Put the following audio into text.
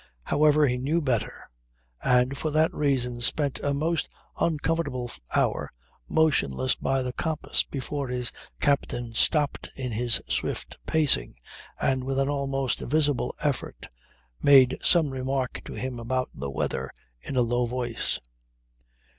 However, he knew better, and for that reason spent a most uncomfortable hour motionless by the compass before his captain stopped in his swift pacing and with an almost visible effort made some remark to him about the weather in a low voice.